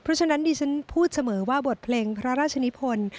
เพราะฉะนั้นดิฉันพูดเสมอว่าบทเพลงพระราชนิพล